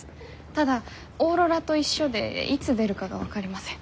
ただオーロラと一緒でいつ出るかが分かりません。